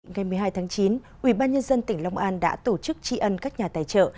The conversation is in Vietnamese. ngày một mươi hai tháng chín ubnd tỉnh long an đã tổ chức tri ân các nhà tài trợ